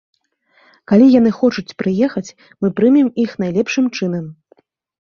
Калі яны хочуць прыехаць, мы прымем іх найлепшым чынам.